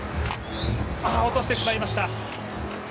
落としてしまいました。